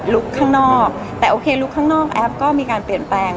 ข้างนอกแต่โอเคลุกข้างนอกแอปก็มีการเปลี่ยนแปลง